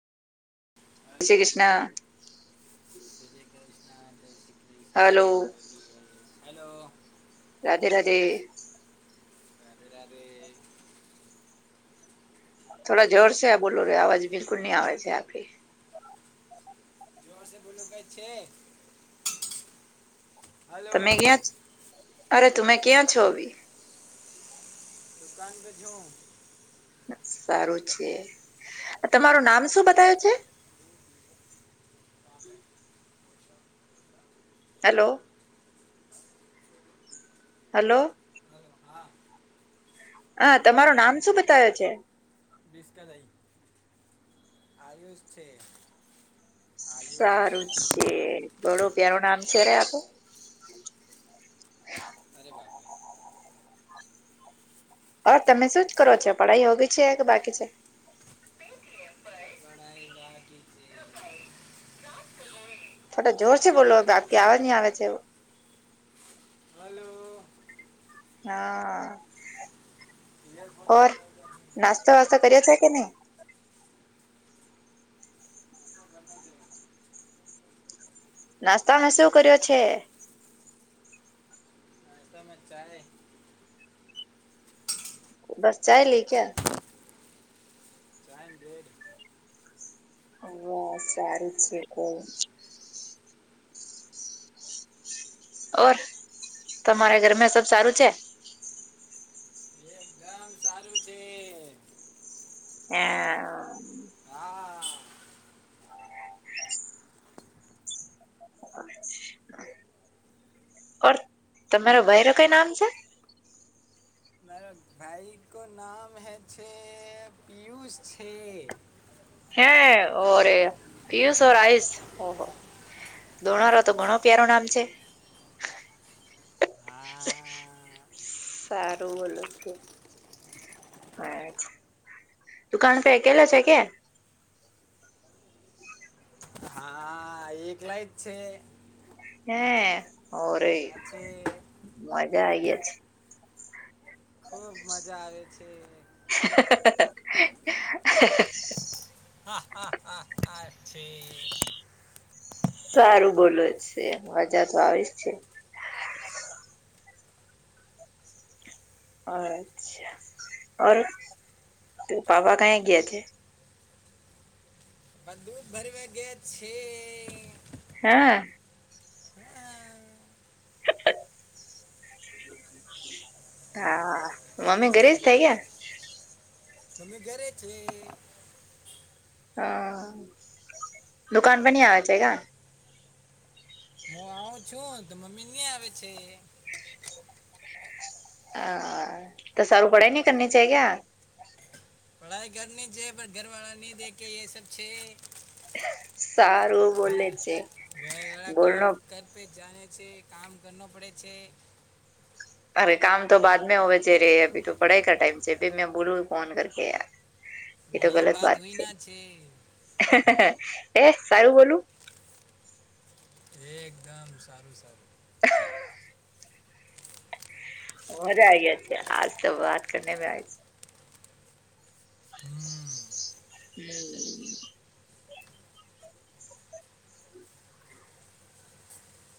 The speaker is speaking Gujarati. જય શ્રી કૃષ્ણ. વિજય કૃષ્ણ અનેય શ [unintelligible] હલો. હેલો. રાધે રાધે. અ રલેે [unintelligible] થોડા જર છે આ બોલો રો અવાજ બિલકુલ નહી આવે છે આપડી. જોરશે બોલો ક છે. હેલો તમે ક્યાં અરે તુમે ક્યાં છો ભી? દુકાન તે છુંઉ. સારું છે, તમારું નામ શું બતાયુ છે? હેલો. હલો. હેલો હા. હ તમારો નામ શું બતાવવે છે? રસકા જઈ. આયુષ છે, આયુષ. એ બડું પ્યારું નામ છે અ આપ. અરે વાહ. ઓર તમે શું જ કરો અચ્છી વાત છો પઢાઈ હોગી છે કે બાકી છે? પેટીએમ પર [unintelligible] [unintelligible] થોડા જોર સે બોલો બાથી આવવા નહી આવે છે. હલો. હા, ઇયરફોન ઓર. લગીને આવતા. નાસ્તા વાસ્તા કરી છે કે નહી? નાસ્તા ઘરમાં જ નાસ્તા હ સોવ કર્યો છે? તમે ચાય [unintelligible] બસ ચાઈ લઈ ક્યા? ટ્રાઈમ બેેડ. બ સારું છે કો. ઓર તમારા ઘરમાં સબ સારું છે? એકદમ કમ સારું છે. હા. હા. ઓર તમારો વયરો કાઈ નામ છે? ના [unintelligible] ભાઈ કે નામ હય છે પિયુષ છે. હે ઓરે, પિયુસ ઓર આયુષ. દોનારો તો ઘણો પ્યારો નામ છે. હા સારું બોલું છે. હ દુકાન ફે એકેલા છે કે? હા એકલાય જ છે. હે ઓરે આ છે મજા આયા છે. ખૂબ મજા આવેે છે. હ [unintelligible] હા હા હા હાછી. [unintelligible] સારું બોલો છે મજા તો આવી જ છે. અચ્છા, પાપા કહે ગયા છે? બ દૂધ ભરમાં ગયા છે. હા. હા. હા, મમ્મી ઘરે જ થઈ ગયા? મમ્મી ઘરે છે. હ દુકાન પણ ની આવે છે કા? હવ છું તો મમ્મી ની આવે છે. હા તો સારું પડે ન કરની ચા કે? પઢાઈ કરની છે પર ઘરવાળા ન દેખ એ સબ છે. સારું ઘરે બોલે છે ઘરે વળા કામ બોલનો કર પે જાને છે કામ કરનો પડે છે. અરે કામ તો બાદ મે હોવે છે રે અભી તો પઢાઈ કા ટાઈમ છે મેં બોલું ફોન કર કેય. એતો એ ગલત બાત હુઈ છે, ના એ સારું બોલું. એકદમ સારું સારું. મજા આ ગયા છે આજ તો વાત કર મે આઈ. હમ હમ.